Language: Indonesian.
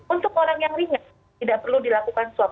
untuk orang yang ringan tidak perlu dilakukan swab